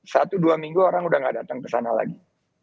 satu dua minggu orang udah gak datang ke sana lagi